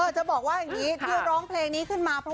จะบอกว่าอย่างนี้ที่ร้องเพลงนี้ขึ้นมาเพราะ